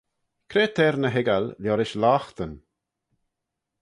Cre t'er ny hoiggal liorish loghtyn?